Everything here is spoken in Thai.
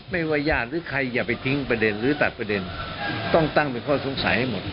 ไม่ว่าญาติหรือใครอย่าไปทิ้งประเด็นหรือตัดประเด็นต้องตั้งเป็นข้อสงสัยให้หมด